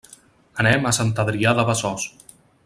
Anem a Sant Adrià de Besòs.